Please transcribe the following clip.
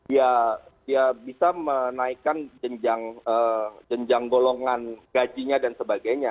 ya bisa menaikkan jenjang golongan gajinya dan sebagainya